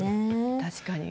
確かに。